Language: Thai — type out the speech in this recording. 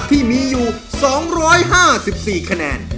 ที่มีอยู่๒๕๔คะแนน